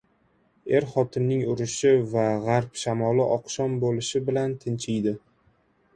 • Er-xotinning urushi va g‘arb shamoli oqshom bo‘lishi bilan tinchiydi.